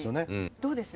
どうです？